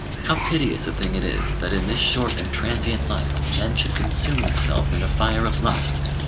How piteous a thing it is that in this short and transient life men should consume themselves in a fire of lust!